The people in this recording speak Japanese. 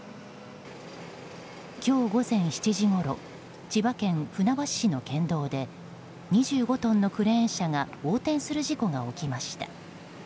今日午前７時ごろ千葉県船橋市の県道で２５トンのクレーン車が横転する事故が起きました。